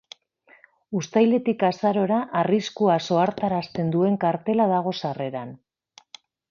Uztailetik azarora arriskuaz ohartarazten duen kartela dago sarreran.